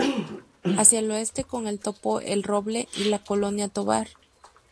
Hacia el Oeste con el Topo El Roble y la Colonia Tovar.